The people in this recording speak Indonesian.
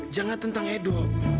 jangan tentang edo